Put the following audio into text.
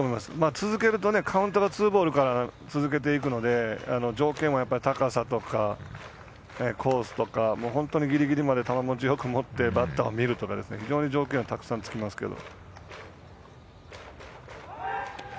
続けると、カウントがツーボールから続けていくので条件は高さとかコースとか本当にぎりぎりまで球もちよく持ってバッターを見るとか非常に条件がたくさんつきますけど。